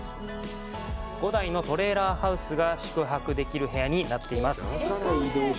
５台のトレーラーハウスが宿泊できる部屋になっています。